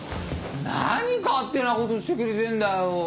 何勝手なことしてくれてんだよぉ。